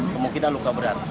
kemungkinan luka berat